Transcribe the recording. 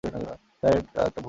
Sir, এটা একটা ভুল ছিল।